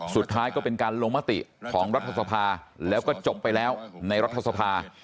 สุดท้ายก็เป็นการลงมติของรัฐสภาแล้วก็จบไปแล้วในรัฐสภา